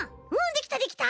できたできた！